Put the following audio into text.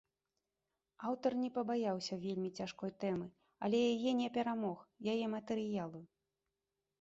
Аўтар не пабаяўся вельмі цяжкой тэмы, але яе не перамог, яе матэрыялу.